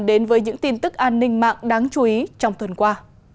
đến với những tin tức an ninh mạng đáng chú ý trong tuần qua